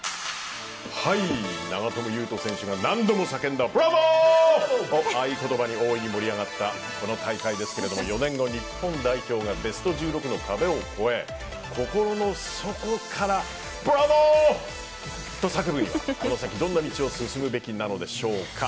長友佑都選手が何度も叫んだブラボーを合言葉に盛り上がったこの大会ですけれども４年後、日本がベスト１６の壁を越え心の底からブラボー！と叫ぶにはこの先どんな道を進むべきでしょうか。